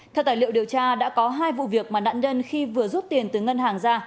theo tài liệu điều tra đã có hai vụ việc mà nạn nhân khi vừa rút tiền từ ngân hàng ra